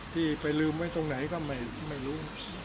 ที่ไปลืมไว้ตรงไหนก็ไม่รู้